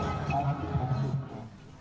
dan juga sangat kuat